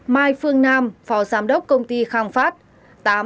bảy mai phương nam phó giám đốc công ty khang phát